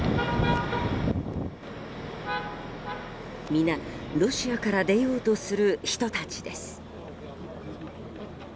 皆、ロシアから出ようとする人たちです。